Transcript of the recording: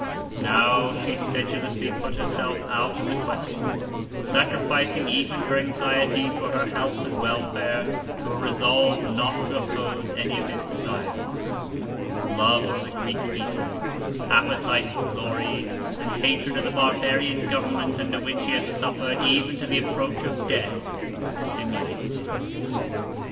Now she sedulously put herself out of the question, sacrificing even her anxiety for his health and welfare to her resolve not to oppose any of his desires. Love of the Greek people, appetite for glory, and hatred of the barbarian government under which he had suffered even to the approach of death, stimulated him.